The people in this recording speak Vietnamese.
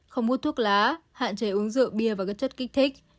không hút thuốc lá hạn chế uống rượu bia và các chất kích thích